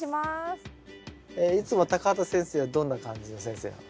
いつも畑先生はどんな感じの先生なの？